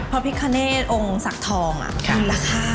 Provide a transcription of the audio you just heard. พระพิคเนตองค์ศักดิ์ทองคือราคา